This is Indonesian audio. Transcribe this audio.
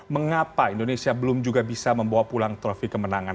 mengapa indonesia belum juga bisa membawa pulang trofi kemenangan